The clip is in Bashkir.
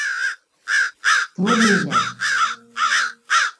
Тыуыр ине лә...